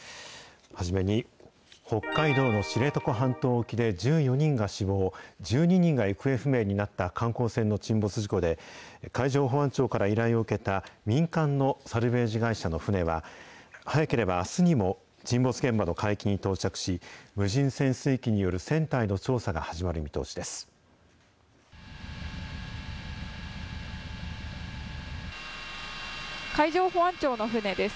初めに、北海道の知床半島沖で１４人が死亡、１２人が行方不明になった観光船の沈没事故で、海上保安庁から依頼を受けた民間のサルベージ会社の船は、早ければあすにも沈没現場の海域に到着し、無人潜水機による船体の調査が始海上保安庁の船です。